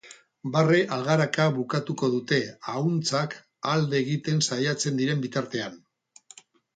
Barre-algaraka bukatuko dute, ahuntzak alde egiten saiatzen diren bitartean.